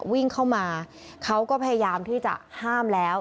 วิ่งเข้ามาเขาก็พยายามที่จะห้ามแล้ว